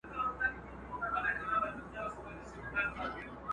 څوك به بولي له اټكه تر مالانه،